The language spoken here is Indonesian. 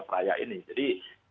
seraya ini jadi